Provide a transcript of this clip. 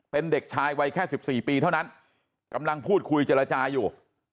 เป็นเด็กชายวัยแค่๑๔ปีเท่านั้นกำลังพูดคุยเจรจาอยู่